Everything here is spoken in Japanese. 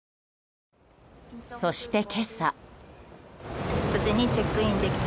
そして今朝。